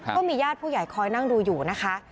ก็มีญาติผู้ใหญ่คอยนั่งดูอยู่นะคะ